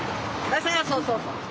そうそうそう！